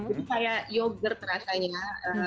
itu kayak yogurt rasanya